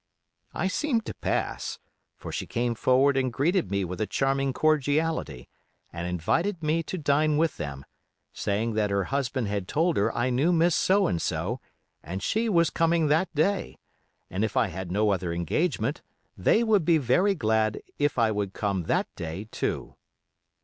I seemed to pass, for she came forward and greeted me with a charming cordiality, and invited me to dine with them, saying that her husband had told her I knew Miss So and So, and she was coming that day, and if I had no other engagement they would be very glad if I would come that day, too.